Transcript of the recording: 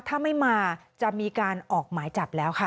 ถ้าไม่มาจะมีการออกหมายจับแล้วค่ะ